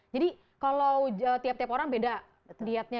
jadi kalau tiap tiap orang beda dietnya